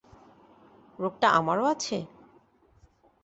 রোগটা আমারও আছে?